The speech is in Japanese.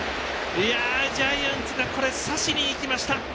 ジャイアンツがこれ、刺しにいきました。